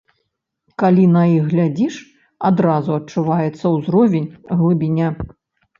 Калі на іх глядзіш, адразу адчуваецца ўзровень, глыбіня.